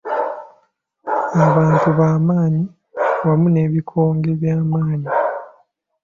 Abantu b'amaanyi wamu n'ebikonge by'amaanyi.